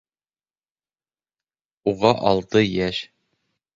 Уға алты йәш